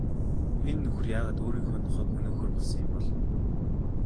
Энэ нөхөр яагаад өөрийнхөө нохойг хөнөөхөөр болсон юм бол?